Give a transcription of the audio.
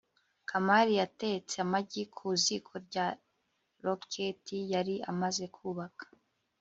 kamali yatetse amagi ku ziko rya roketi yari amaze kubaka